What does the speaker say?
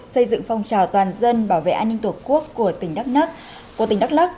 xây dựng phong trào toàn dân bảo vệ an ninh tổ quốc của tỉnh đắk lắc